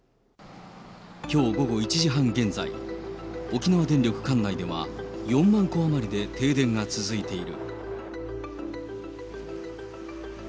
きょう午後１時半現在、沖縄電力管内では、４万戸余りで停電が続いている。